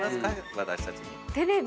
私たちに。